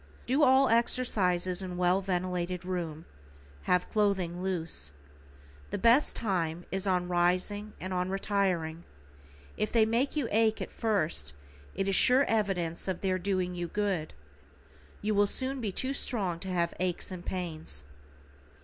Do all exercises in well ventilated room, have clothing loose. The best time is on rising and on retiring. If they make you ache at first it is sure evidence of their doing you good. You will soon be too strong to have aches and pains.